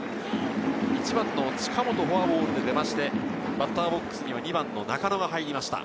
１番・近本、フォアボールで出て、バッターボックスには２番の中野が入りました。